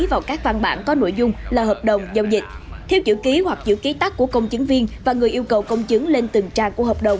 vào các văn bản có nội dung là hợp đồng giao dịch